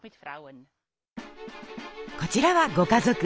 こちらはご家族。